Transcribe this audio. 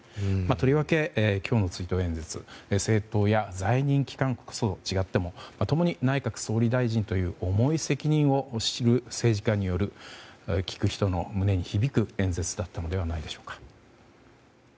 とりわけ、今日の追悼演説政党や在任期間こそ違っても共に内閣総理大臣という重い責任を知る政治家による聞く人の胸に響く演説だったのではないでしょうか。